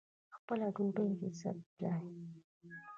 خپله ډوډۍ عزت دی.